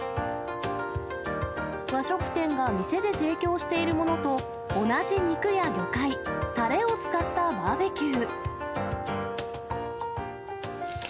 和食店が店で提供しているものと同じ肉や魚介、たれを使ったバーベキュー。